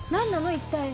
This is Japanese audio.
一体。